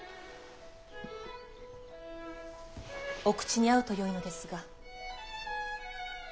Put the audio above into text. お口に合うとよいのですが。